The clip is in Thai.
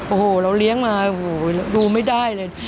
โอ้โหเราเลี้ยงมาโอ้โหดูไม่ได้เลย